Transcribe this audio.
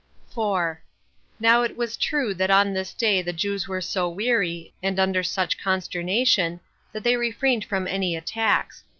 4. Now it is true that on this day the Jews were so weary, and under such consternation, that they refrained from any attacks.